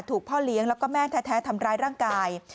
พ่อเลี้ยงแล้วก็แม่แท้ทำร้ายร่างกาย